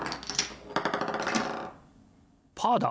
パーだ！